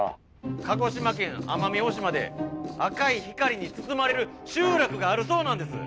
鹿児島県奄美大島で赤い光に包まれる集落があるそうなんです